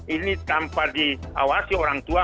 ini tanpa diawasi orang tua